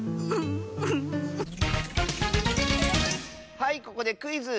はいここでクイズ！